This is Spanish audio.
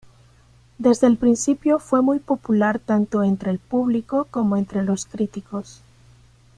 Desde el principio fue muy popular tanto entre el público como entre los críticos.